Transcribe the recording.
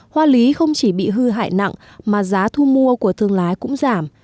hoa lý không chỉ bị hư hại nặng mà giá thu mua của thương lái cũng giảm